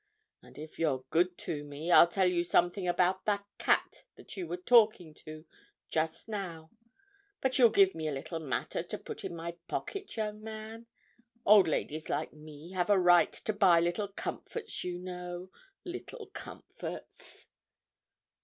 And if you're good to me, I'll tell you something about that cat that you were talking to just now. But you'll give me a little matter to put in my pocket, young man? Old ladies like me have a right to buy little comforts, you know, little comforts."